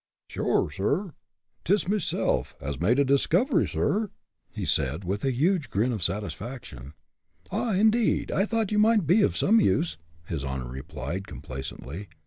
"Sure, sur, it's mesilf as has made a discovery, sur," he said, with a huge grin of satisfaction. "Ah! indeed! I thought you might be of some use!" his honor replied, complacently.